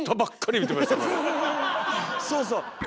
そうそう！